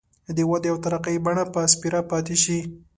د ودې او ترقۍ بڼ به سپېره پاتي شي.